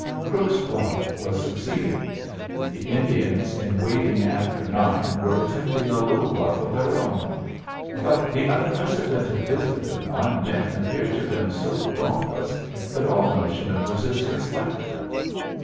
Crook's bluff was succeeding. The Indians in waiting after nine were attempting a little bluff of their own; but the unprecedented visit of nine men appeared to them so dauntless that all notion of resistance left them.